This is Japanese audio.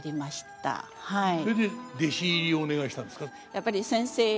やっぱり先生